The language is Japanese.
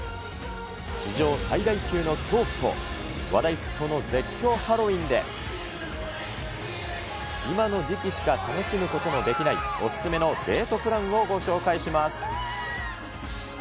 史上最大級の恐怖と話題沸騰の絶叫ハロウィーンで、今の時期しか楽しむことのできないお勧めのデートプランをご紹介します。